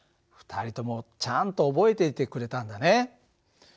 ２人ともちゃんと覚えていてくれたんだね。